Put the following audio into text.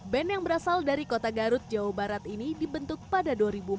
band yang berasal dari kota garut jawa barat ini dibentuk pada dua ribu empat belas